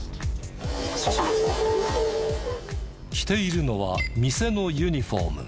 着ているのは店のユニフォーム。